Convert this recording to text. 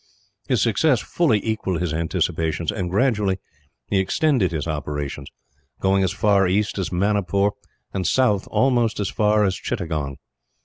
His success fully equalled his anticipations and, gradually, he extended his operations; going as far east as Manipur, and south almost as far as Chittagong.